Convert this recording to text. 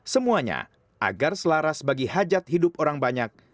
semuanya agar selaras bagi hajat hidup orang banyak